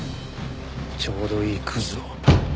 ちょうどいいクズを。